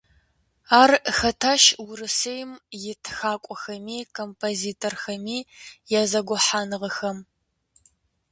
Ар хэтащ Урысейм и Тхакӏуэхэми Композиторхэми я зэгухьэныгъэхэм.